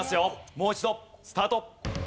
もう一度スタート。